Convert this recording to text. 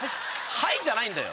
はい？じゃないんだよ。